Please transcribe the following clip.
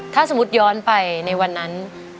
ถ้าสมมุติย้อนไปในวันนั้น